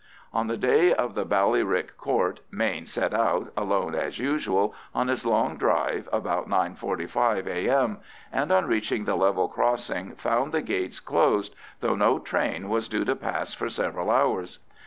On the day of the Ballyrick Court Mayne set out, alone as usual, on his long drive about 9.45 A.M., and on reaching the level crossing found the gates closed, though no train was due to pass for several hours.